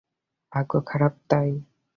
ভাগ্য খারাপ তাই।